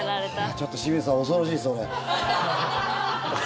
ちょっと清水さん恐ろしいです、俺。